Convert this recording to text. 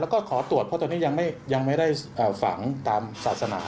แล้วก็ขอตรวจเพราะตอนนี้ยังไม่ได้ฝังตามศาสนา